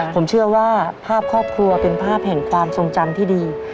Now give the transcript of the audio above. ผมเชื่อว่าภาพครอบครัวเป็นภาพแห่งความทรงจำที่ดี